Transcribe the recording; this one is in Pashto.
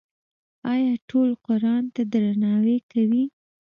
آیا ټول قرآن ته درناوی کوي؟